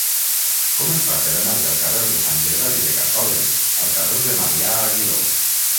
Com es fa per anar del carrer de Sant Gervasi de Cassoles al carrer de Marià Aguiló?